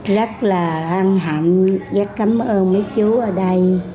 rất là an hạnh rất cảm ơn mấy chú ở đây